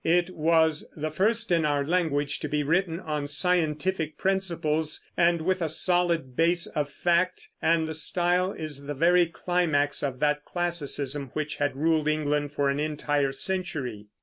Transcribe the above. It was the first in our language to be written on scientific principles, and with a solid basis of fact; and the style is the very climax of that classicism which had ruled England for an entire century.